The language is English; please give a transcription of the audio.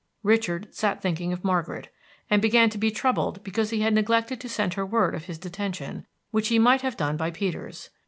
Richard sat thinking of Margaret, and began to be troubled because he had neglected to send her word of his detention, which he might have done by Peters.